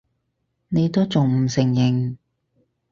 你都仲唔承認！